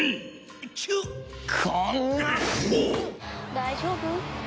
大丈夫？